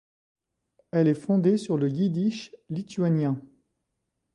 Elle est fondée sur le yiddish lituanien.